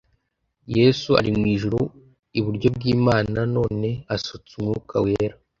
yesu ari mu ijuru iburyo bw imana none asutse umwuka wera